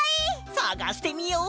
さがしてみよう！